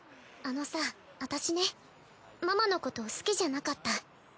あのさ私ねママのこと好きじゃなかった。